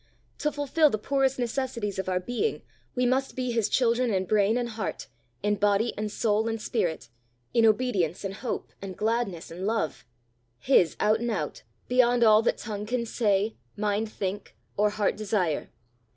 To fulfil the poorest necessities of our being, we must be his children in brain and heart, in body and soul and spirit, in obedience and hope and gladness and love his out and out, beyond all that tongue can say, mind think, or heart desire.